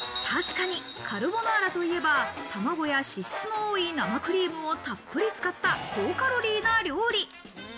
確かにカルボナーラといえば、卵や脂質の多い生クリームをたっぷり使った、高カロリーな料理。